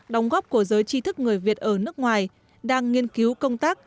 đóng góp của giới tri thức người việt ở nước ngoài đang nghiên cứu công tác